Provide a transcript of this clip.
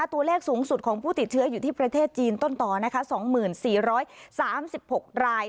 ตัวเลขสูงสุดของผู้ติดเชื้ออยู่ที่ประเทศจีนต้นต่อนะคะ๒๔๓๖ราย